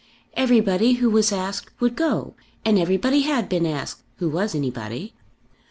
Everybody who was asked would go, and everybody had been asked, who was anybody.